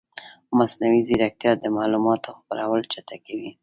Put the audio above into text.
مصنوعي ځیرکتیا د معلوماتو خپرول چټکوي.